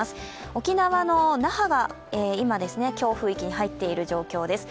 沖縄の那覇は今、強風域に入っている状況です。